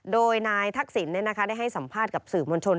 โดยนายทักษิณได้ให้สัมภาษณ์กับสื่อมวลชน